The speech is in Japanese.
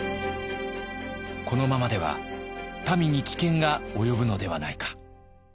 このままでは民に危険が及ぶのではないか。